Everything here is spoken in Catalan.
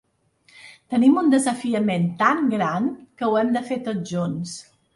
Tenim un desafiament tan gran, que ho hem de fer tots junts.